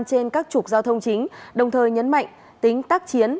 trên các trục giao thông chính đồng thời nhấn mạnh tính tác chiến